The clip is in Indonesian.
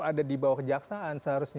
ada di bawah kejaksaan seharusnya